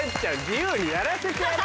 自由にやらせてやれよ！